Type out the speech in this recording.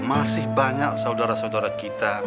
masih banyak saudara saudara kita